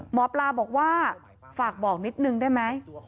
หมอปลาบอกว่าฝากบอกนิดนึงได้ไหม